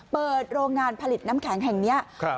เปิดโรงงานผลิตน้ำแข็งแห่งนี้